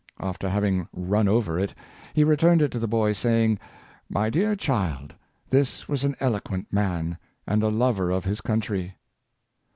After having run over it, he re turned it to the boy, saying, " M}' dear child, this was an eloquent man, and a lover of his country."